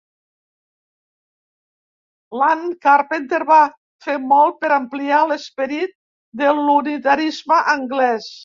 Lant Carpenter va fer molt per ampliar l'esperit de l'unitarisme anglès.